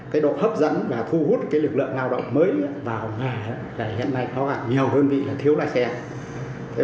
cái độ hấp dẫn và thu hút cái lực lượng ngạo động mới vào nhà hiện nay có nhiều hơn vị là thiếu lái xe